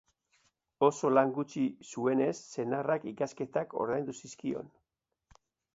Oso lan gutxi zuenez, senarrak ikasketak ordaindu zizkion.